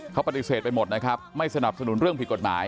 เขาปฏิเสธไปหมดนะครับไม่สนับสนุนเรื่องผิดกฎหมาย